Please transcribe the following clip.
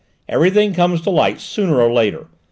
Everything comes to light sooner or later.